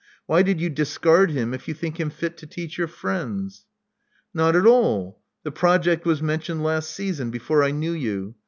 Why did you discard him if you think him fit to teach your friends?" '*Not at all. The project was mentioned last season, before I knew you.